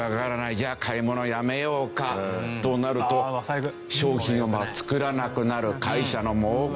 じゃあ買い物はやめようかとなると商品を作らなくなる会社の儲けが減ってしまう。